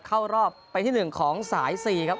เข้ารอบไปที่๑ของสาย๔ครับ